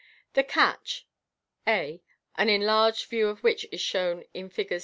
The catch a (an enlarged view of which is shown in Figs.